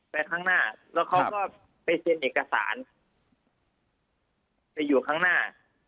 ไปข้างหน้าไปในก็สารไปอยู่ข้างหน้า